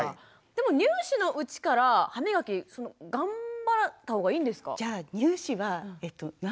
でも乳歯のうちから歯みがき頑張ったほうがいいんですか？